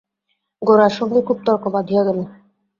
গোরার সঙ্গে খুব তর্ক বাধিয়া গেল।